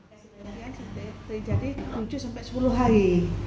terjadi tujuh hingga sepuluh hari